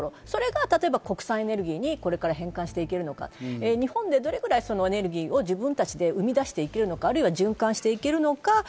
それが例えば国産エネルギーに変換していけるのか、日本でどれくらいエネルギーを自分たちで生み出していけるのか、あるいは循環していけるのか。